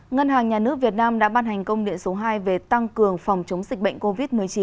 ngân hàng nhà nước việt nam đã ban hành công điện số hai về tăng cường phòng chống dịch bệnh covid một mươi chín